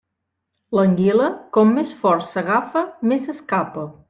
L'anguila, com més fort s'agafa més s'escapa.